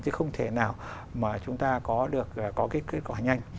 chứ không thể nào mà chúng ta có được có cái kết quả nhanh